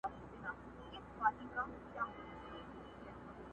د نغري غاړو ته هواري دوې کمبلي زړې!